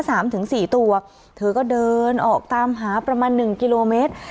ถึงสี่ตัวเธอก็เดินออกตามหาประมาณหนึ่งกิโลเมตร